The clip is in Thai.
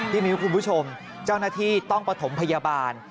มิ้วคุณผู้ชมเจ้าหน้าที่ต้องประถมพยาบาล